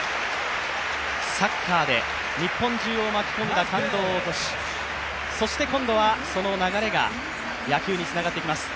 サッカーで日本中を巻き込んだ感動を起こしそして今度はその流れが野球につながっていきます。